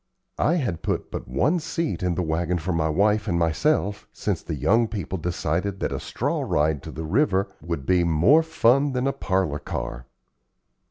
I had put but one seat in the wagon for my wife and myself, since the young people decided that a straw ride to the river would be "more fun than a parlor car."